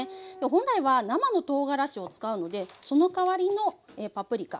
本来は生のとうがらしを使うのでそのかわりのパプリカ。